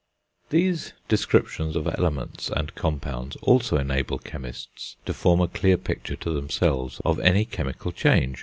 These descriptions of elements and compounds also enable chemists to form a clear picture to themselves of any chemical change.